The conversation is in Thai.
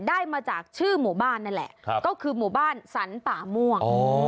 ได้มาจากชื่อหมู่บ้านนั่นแหละก็คือหมู่บ้านสรรป่าม่วง